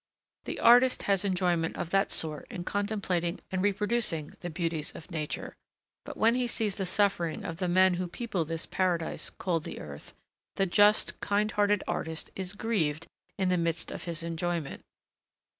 The artist has enjoyment of that sort in contemplating and reproducing the beauties of Nature; but, when he sees the suffering of the men who people this paradise called the earth, the just, kind hearted artist is grieved in the midst of his enjoyment.